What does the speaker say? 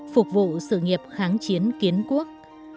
phục vụ sự nghiệp kháng chiến kiến quốc